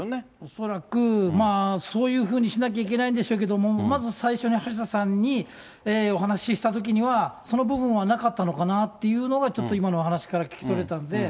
恐らくまあ、そういうふうにしなきゃいけないんでしょうけど、まず最初に橋田さんにお話したときには、その部分はなかったのかなっていうのが、ちょっと今のお話から聞き取れたので、